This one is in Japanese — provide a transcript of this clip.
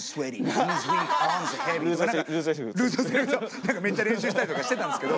何かめっちゃ練習したりとかしてたんですけど。